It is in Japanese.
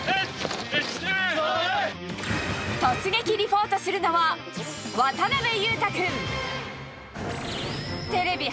突撃リポートするのは渡辺裕太君。